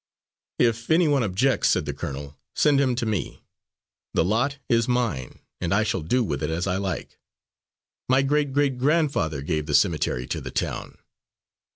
"If any one objects," said the colonel, "send him to me. The lot is mine, and I shall do with it as I like. My great great grandfather gave the cemetery to the town.